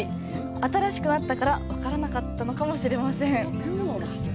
新しくなったから分からなかったのかもしれません。